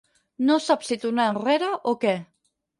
No sap si tornar enrere o què.